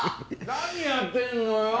何やってんのよ。